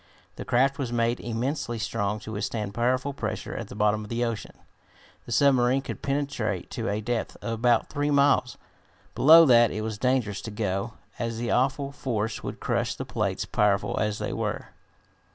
The craft was made immensely strong to withstand powerful pressure at the bottom of the ocean. The submarine could penetrate to a depth of about three miles. Below that it was dangerous to go, as the awful force would crush the plates, powerful as they were.